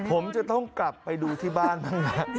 ผมจะต้องกลับไปดูที่บ้านบ้างนะ